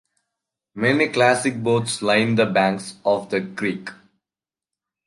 Many classic boats line the banks of the creek.